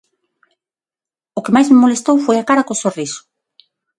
O que máis me molestou foi a cara co sorriso.